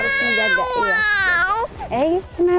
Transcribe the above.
yang penting adalah orang tuanya harus dijaga